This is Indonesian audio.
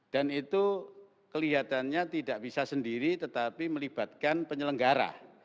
dan itu kelihatannya tidak bisa sendiri tetapi melibatkan penyelenggara